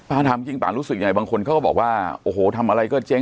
พาทำจริงต่างรู้สึกอย่างไรบางคนเขาบอกว่าโอโหทำอะไรก็เจ๊ง